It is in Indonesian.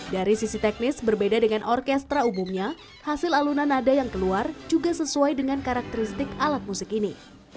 dari sisi teknis berbeda dengan orkestra umumnya hasil alunan nada yang keluar juga sesuai dengan karakteristik alat musik ini